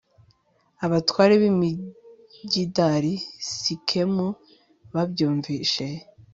abatware b'i migidali sikemu babyumvise